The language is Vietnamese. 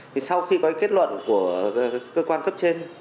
thì sau khi có kết luận của cơ quan cấp trên